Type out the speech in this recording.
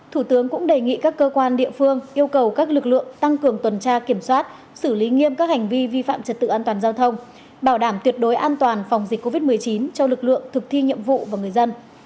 thủ tướng cũng đề nghị các cơ quan địa phương yêu cầu các lực lượng tăng cường tuần tra kiểm soát xử lý nghiêm các hành vi vi phạm trật tự an toàn giao thông bảo đảm tuyệt đối an toàn phòng dịch covid một mươi chín cho lực lượng thực thi nhiệm vụ và người dân